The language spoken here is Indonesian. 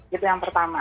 itu yang pertama